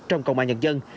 trong công an nhật dân